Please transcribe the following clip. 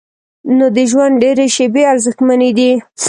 نو د ژوند ډېرې شیبې ارزښتمنې دي.